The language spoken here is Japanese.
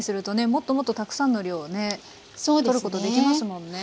もっともっとたくさんの量をねとることできますもんね。